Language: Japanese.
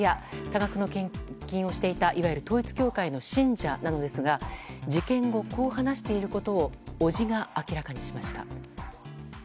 多額の献金をしていたいわゆる統一教会の信者なのですが事件後、こう話していることを伯父が明らかにしました。